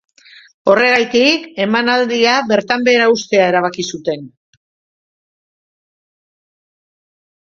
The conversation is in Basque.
Horregatik, emanaldia bertan behera uztea erabaki zuten.